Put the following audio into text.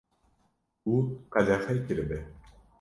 û qedexe kiribe